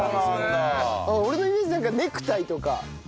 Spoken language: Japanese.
俺のイメージなんかネクタイとか。